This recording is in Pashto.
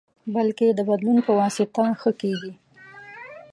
بلکې د بدلون پواسطه ښه کېږي.